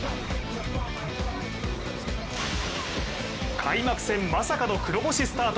開幕戦、まさかの黒星スタート